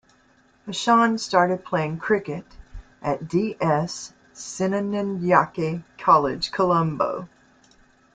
Hashan started playing cricket at D. S. Senanayake College, Colombo.